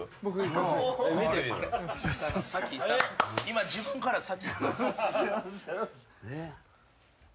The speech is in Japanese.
今自分から先。